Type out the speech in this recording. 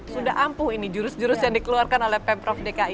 sudah ampuh ini jurus jurus yang dikeluarkan oleh pemprov dki